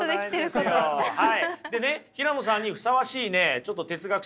でね平野さんにふさわしいねちょっと哲学者